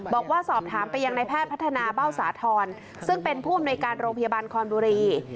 บอกว่าสอบถามไปยังในแพทย์พัฒนาเบ้าสาธรณ์ซึ่งเป็นผู้อำนวยการโรงพยาบาลคอนบุรี